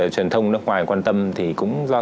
truyền thông nước ngoài quan tâm thì cũng do